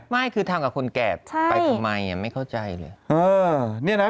ไม่คือทำกับคนแก่บใช่ไปทำไมอ่ะไม่เข้าใจเลยอื้อเนี่ยนะ